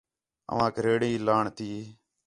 اوانک ریڑھی لاݨ تی